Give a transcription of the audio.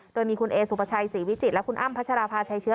โดยมีคุณเอสุปชัยศรีวิจิตและคุณอ้ำพัชราภาชัยเชื้อ